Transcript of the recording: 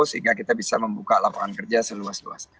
sehingga kita bisa membuka lapangan kerja seluas luas